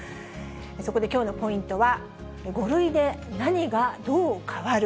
そこできょうのポイントは、５類で何がどう変わる。